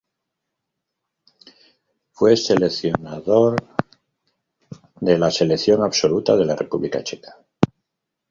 Fue seleccionador de la Selección absoluta de la República Checa.